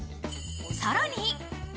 さらに。